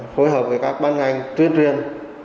phối hợp với các ban ngành tuyên truyền